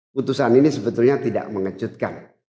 putusan ini sebetulnya tidak mengejutkan